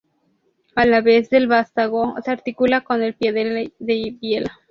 A la vez el vástago se articula con el pie de biela.